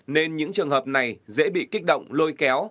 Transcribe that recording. nên những trường hợp này dễ bị kích động lôi kéo